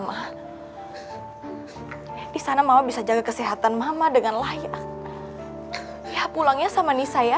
mama di sana mama bisa jaga kesehatan mama dengan layak ya pulangnya sama nisa ya